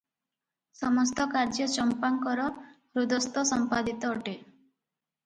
ସମସ୍ତ କାଯ୍ୟ ଚଂପାଙ୍କର ହୃହସ୍ତ ସଂପାଦିତ ଅଟେ ।